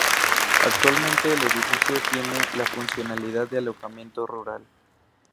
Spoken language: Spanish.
Actualmente el edificio tiene la funcionalidad de alojamiento rural.